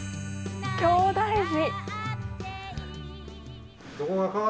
きょうだい児。